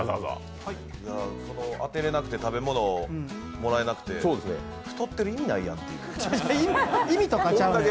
当てられなくて食べ物もらえなくて、太ってる意味ないやんって。